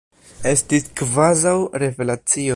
Estis kvazaŭ revelacio!